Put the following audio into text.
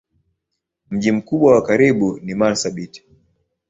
Mji mkubwa wa karibu ni Marsabit.